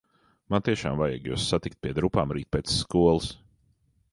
Man tiešām vajag jūs satikt pie drupām rīt pēc skolas.